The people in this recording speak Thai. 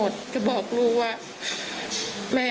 รักลูกเสมอ